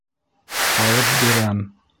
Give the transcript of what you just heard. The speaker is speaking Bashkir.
Алып бирәм!